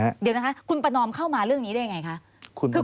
เดี๋ยวนะคะคุณประนอมเข้ามาเรื่องนี้ได้ยังไงคะ